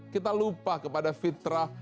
kita lupa kepada fitrah